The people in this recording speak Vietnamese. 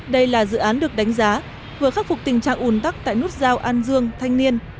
đây là dự án được đánh giá vừa khắc phục tình trạng ủn tắc tại nút giao an dương thanh niên